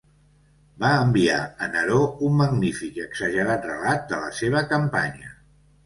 Va enviar a Neró un magnífic i exagerat relat de la seva campanya.